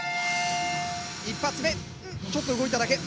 １発目んちょっと動いただけ。